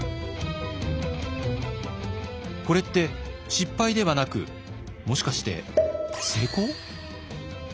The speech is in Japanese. これって失敗ではなくもしかして成功？